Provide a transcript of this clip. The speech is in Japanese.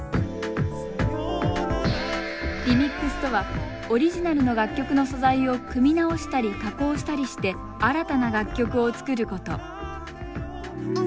リミックスとはオリジナルの楽曲の素材を組み直したり加工したりして新たな楽曲を作ること